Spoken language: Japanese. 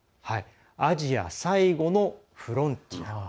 アジア最後のフロンティア。